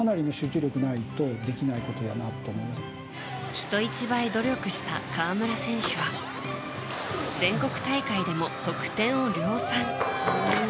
人一倍努力した河村選手は全国大会でも得点を量産。